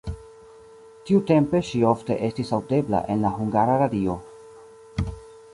Tiutempe ŝi ofte estis aŭdebla en la Hungara Radio.